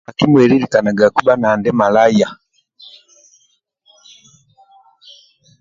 Bhakimwelilikanagaku bha nandi malaya